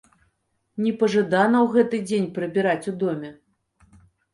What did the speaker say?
Непажадана ў гэты дзень прыбіраць у доме.